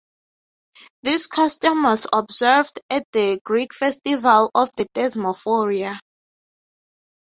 This custom was observed at the Greek festival of the Thesmophoria.